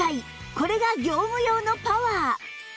これが業務用のパワー！